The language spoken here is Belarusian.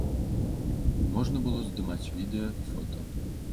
Можна было здымаць відэа і фота.